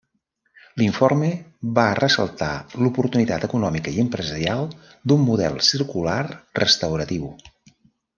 L'informe, va ressaltar l'oportunitat econòmica i empresarial d'un model circular restauratiu.